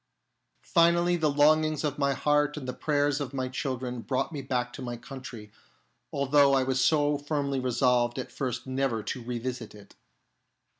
Finally, the longings of my heart and the prayers of my children brought me back to my country, although I was so firmly resolved at first never to revisit it.